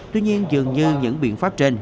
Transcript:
tuy nhiên dường như những biện pháp trên